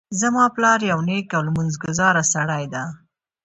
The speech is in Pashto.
زما پلار یو نیک او لمونځ ګذاره سړی ده